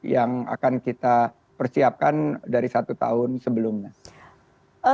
yang akan kita persiapkan dari satu tahun sebelumnya